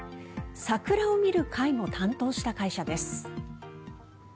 桜を見る会も担当した会社です。